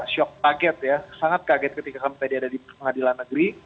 shock kaget ya sangat kaget ketika kami tadi ada di pengadilan negeri